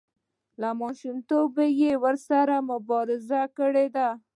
له ماشومتوبه یې ورسره مبارزه کړې ده.